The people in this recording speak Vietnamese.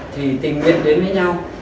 thì tình nguyện đến với nhau